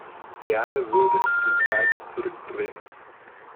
Gerne würde ich die Zeit zurückdrehen.